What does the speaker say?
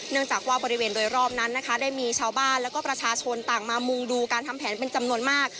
จากว่าบริเวณโดยรอบนั้นนะคะได้มีชาวบ้านแล้วก็ประชาชนต่างมามุงดูการทำแผนเป็นจำนวนมาก